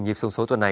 nhịp sông số tuần này